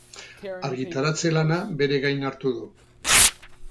Argitaratze lana bere gain hartu du.